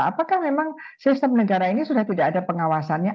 apakah memang sistem negara ini sudah tidak ada pengawasannya